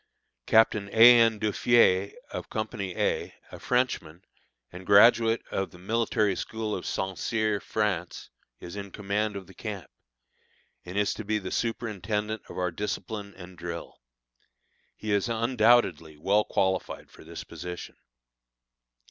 Captain A. N. Duffié, of Co. A, a Frenchman and graduate of the military school of St. Cyr, France, is in command of the camp, and is to be the superintendent of our discipline and drill. He is undoubtedly well qualified for this position.